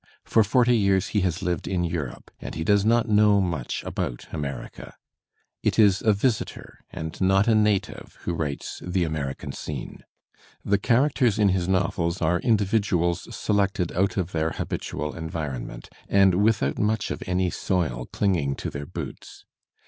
For forty years he has lived in Europe, and he does not know much about America. It is a visitor and not a native who wiites "The American Scene.'* The characters in his novels // are individuals selected out of their habitual environment// and without much of any soil cKnging to their boots.